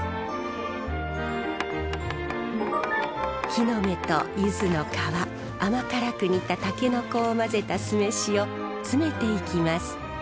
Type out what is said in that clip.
木の芽とゆずの皮甘辛く煮たタケノコを混ぜた酢飯を詰めていきます。